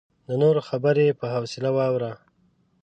د نورو خبرې په حوصله واوره.